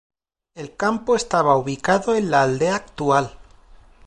El campo estaba ubicado en la aldea actual.